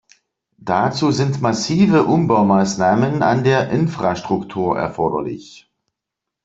Dazu sind massive Umbaumaßnahmen an der Infrastruktur erforderlich.